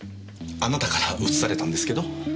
あなたからうつされたんですけど。